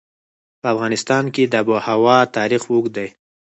په افغانستان کې د آب وهوا تاریخ اوږد دی.